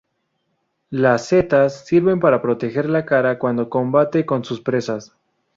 Las setas sirven para proteger la cara cuando combate con sus presas.